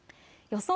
予想